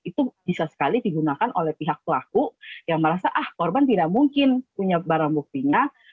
itu bisa sekali digunakan oleh pihak pelaku yang merasa ah korban tidak mungkin punya barang buktinya